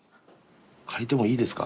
借りてもいいですか？